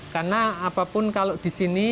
karena apapun kalau di sini